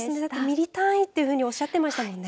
ミリ単位というふうにおっしゃっていましたもんね。